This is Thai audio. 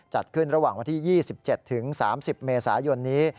จัดขึ้นระหว่างวันที่๒๗๓๐เมษายนนี้